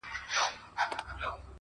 کلونه وروسته هم کيسه ژوندۍ وي,